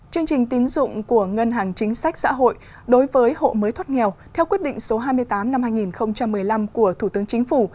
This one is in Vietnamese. chương trình tín dụng của ngân hàng chính sách xã hội đối với hộ mới thoát nghèo theo quyết định số hai mươi tám năm hai nghìn một mươi năm của thủ tướng chính phủ